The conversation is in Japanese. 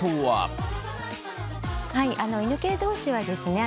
犬系同士はですね